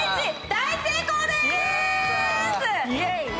大成功です。